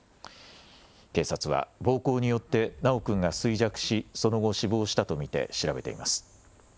警察は暴行によって修くんが衰弱し、その後、死亡したと見て調べています。